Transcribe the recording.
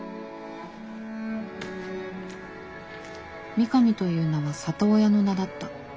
「三上」という名は里親の名だった。